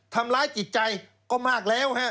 ทำร้ายจิตใจก็มากแล้วฮะ